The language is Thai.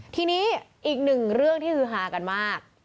ทีนี้อีกหนึ่งเรื่องที่ฮือฮากันมาก